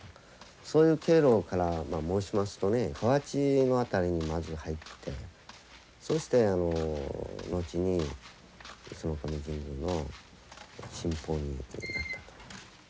そういう経路から申しますとね河内の辺りにまず入ってそして後に石上神宮の神宝になったと。